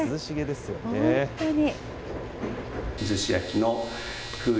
本当に。